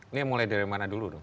ini mulai dari mana dulu dong